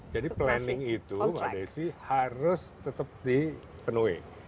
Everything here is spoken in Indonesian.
jadi planning itu harus tetap di penuhi